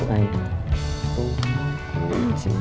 tuhan ku cinta